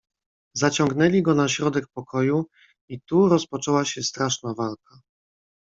"Zaciągnęli go na środek pokoju i tu rozpoczęła się straszna walka."